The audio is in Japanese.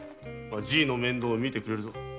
じぃの面倒もみてくれるぞ。